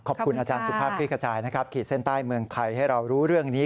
ขอบคุณอาจารย์สุภาพคลิกขจายนะครับขีดเส้นใต้เมืองไทยให้เรารู้เรื่องนี้